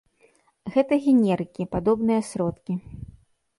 Гэта генерыкі, падобныя сродкі.